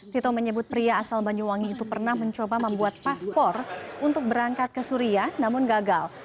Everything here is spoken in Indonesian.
tito menyebut pria asal banyuwangi itu pernah mencoba membuat paspor untuk berangkat ke suria namun gagal